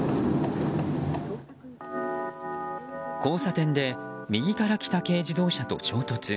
交差点で右から来た軽自動車と衝突。